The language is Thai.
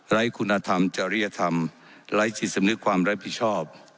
คุณธรรมจริยธรรมไร้จิตสำนึกความรับผิดชอบ